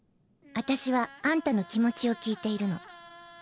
私はアンタの気持ちを聞いているの。